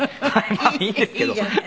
「まあいいんですけど」